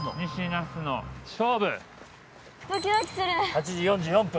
８時４４分。